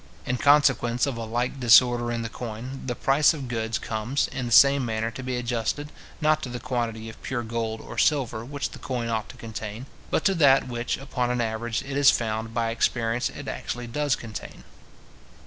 In consequence of a like disorder in the coin, the price of goods comes, in the same manner, to be adjusted, not to the quantity of pure gold or silver which the coin ought to contain, but to that which, upon an average, it is found, by experience, it actually does contain.